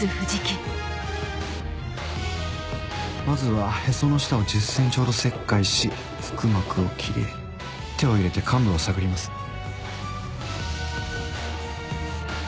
まずはへその下を１０ｃｍほど切開し腹膜を切り手を入れて患部を探ります。